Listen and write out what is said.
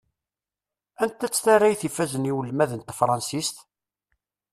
Anta-tt tarrayt ifazen i ulmad n tefransist?